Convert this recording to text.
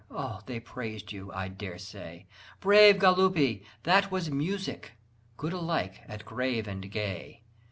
Oh, they praised you, I dare say! "Brave Galuppi! that was music! good alike at grave and gay!